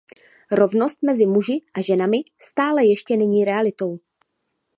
Rovnost mezi muži a ženami stále ještě není realitou.